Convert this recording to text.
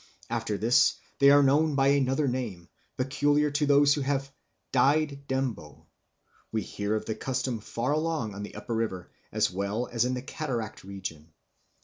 After this they are known by another name, peculiar to those who have 'died Ndembo.' ... We hear of the custom far along on the upper river, as well as in the cataract region."